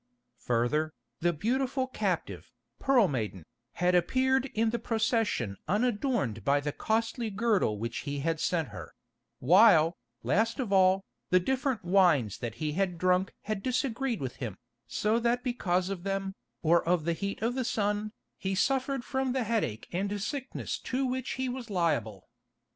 Further, the beautiful captive, Pearl Maiden, had appeared in the procession unadorned by the costly girdle which he had sent her; while, last of all, the different wines that he had drunk had disagreed with him, so that because of them, or of the heat of the sun, he suffered from the headache and sickness to which he was liable.